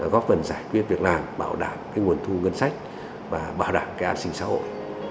góp phần giải quyết việc làm bảo đảm nguồn thu ngân sách và bảo đảm cái an sinh xã hội